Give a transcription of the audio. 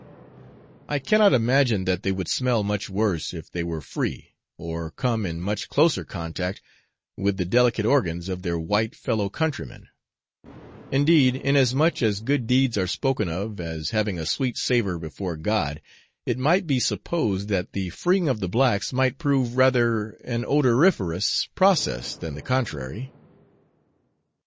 I cannot imagine that they would smell much worse if they were free, or come in much closer contact with the delicate organs of their white, fellow countrymen; indeed, inasmuch as good deeds are spoken of as having a sweet savour before God, it might be supposed that the freeing of the blacks might prove rather an odoriferous process than the contrary.